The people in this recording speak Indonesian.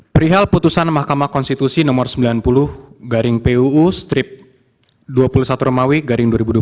perihal putusan mahkamah konstitusi nomor sembilan puluh garing puu strip dua puluh satu romawi garing dua ribu dua puluh